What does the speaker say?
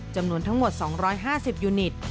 จำนวนทั้งหมด๒๕๐ยูนิต